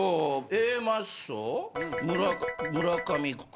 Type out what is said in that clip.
Ａマッソ村上か。